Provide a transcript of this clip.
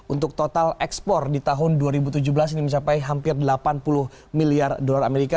untuk total ekspor di tahun dua ribu tujuh belas ini mencapai hampir delapan puluh miliar dolar amerika